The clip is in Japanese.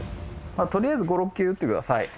とりあえず５６球打ってください。